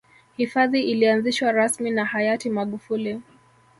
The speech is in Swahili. hifadhi ilianzishwa rasmi na hayati magufuli